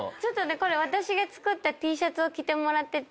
これ私が作ったＴシャツを着てもらってて。